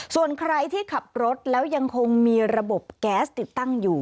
ส่วนใครที่ขับรถแล้วยังคงมีระบบแก๊สติดตั้งอยู่